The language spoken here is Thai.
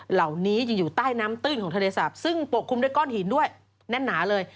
เหล่านี้จะอยู่ใต้น้ำตื้นของทะเลสาปซึ่งปกคลุมด้วยก้อนหินด้วยแน่นหนาเลย